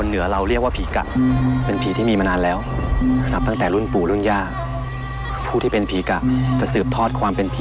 ใสยศาสตร์ฤษยาอาฆาต